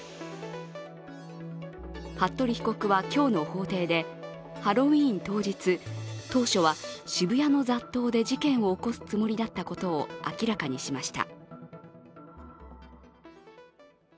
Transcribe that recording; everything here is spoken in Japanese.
服部被告は今日の法廷でハロウィーン当日、当初は、渋谷の雑踏で事件を起こすつもりだったことを明らかにしました。